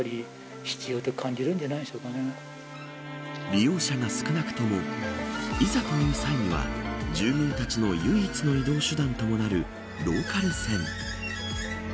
利用者が少なくともいざという際には住民たちの唯一の移動手段ともなるローカル線。